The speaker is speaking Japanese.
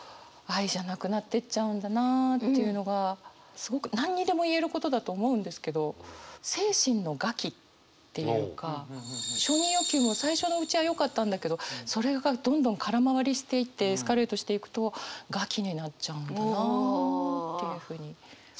すごく何にでも言えることだと思うんですけど精神の餓鬼っていうか承認欲求も最初のうちはよかったんだけどそれがどんどん空回りしていってエスカレートしていくと餓鬼になっちゃうんだなっていうふうに思いました。